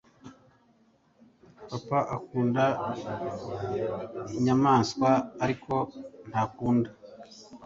papa akunda inyamanswa ariko ntakunda